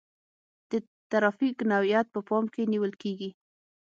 د ترافیک نوعیت په پام کې نیول کیږي